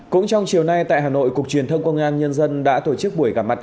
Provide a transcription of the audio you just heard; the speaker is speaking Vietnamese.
cũng trong chiều nay tại hà nội cục truyền thông công an nhân dân đã tổ chức buổi gặp mặt